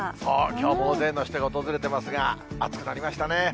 きょうも大勢の人が訪れてますが、暑くなりましたね。